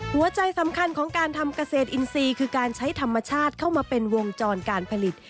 หัวใจสำคัญของการทำเกษตรอินทรีย์คือการใช้ธรรมชาติเข้ามาเป็นวงจรการผลิต